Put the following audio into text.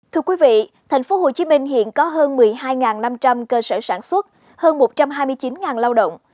tp hcm hiện có hơn một mươi hai năm trăm linh cơ sở sản xuất hơn một trăm hai mươi chín lao động